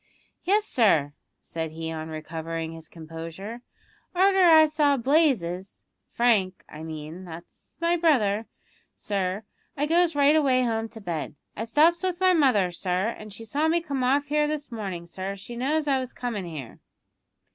"Yes, sir," said he, on recovering his composure; "arter I saw Blazes Frank, I mean, that's my brother, sir I goes right away home to bed. I stops with my mother, sir, an' she saw me come off here this mornin', sir. She knows I was comin' here."